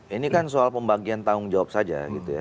ini kan soal pembagian tanggung jawab saja